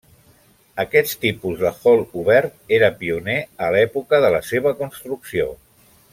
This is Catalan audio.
Aquest tipus de hall obert era pioner a l'època de la seva construcció.